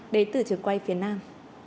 để từ trường quay phía nam